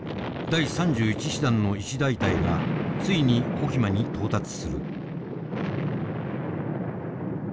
第３１師団の一大隊がついにコヒマに到達する。